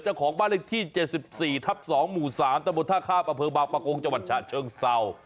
เจ้าของบ้านลึกที่๗๔ทับ๒หมู่๓ตะโมท่าข้าวประเภอบาปประโกงจังหวัดชาติเชิงเศร้า